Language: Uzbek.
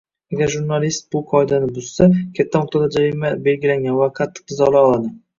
Agar jurnalist bu qoidalarni buzsa, katta miqdorda jarima belgilangan va qattiq jazolar oladi.